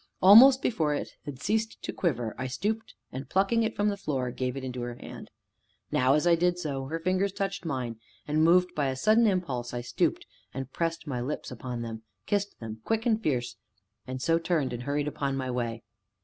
Almost before it had ceased to quiver I stooped, and, plucking it from the floor, gave it into her hand. Now, as I did so, her fingers touched mine, and, moved by a sudden mad impulse, I stooped and pressed my lips upon them kissed them quick and fierce, and so turned, and hurried upon my way.